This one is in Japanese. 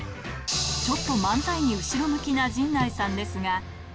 ちょっと漫才に後ろ向きな陣内さんですが。